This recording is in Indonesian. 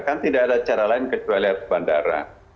kan tidak ada cara lain kecuali lihat bandara